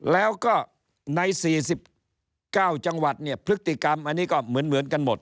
แล้วก็ใน๔๙จังหวัดเนี่ยพฤติกรรมอันนี้ก็เหมือนกันหมด